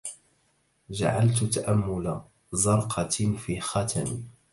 جعلت تأمل زرقة في خاتمي